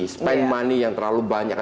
spend money yang terlalu banyak